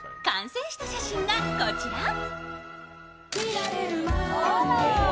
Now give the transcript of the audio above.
完成した写真がこちら。